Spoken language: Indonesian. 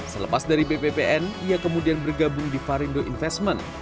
selepas dari bppn ia kemudian bergabung di parindo investment